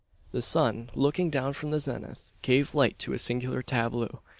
The sun, looking down from the zenith, gave light to a singular tableau.